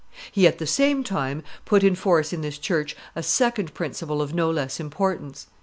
He at the same time put in force in this church a second principle of no less importance.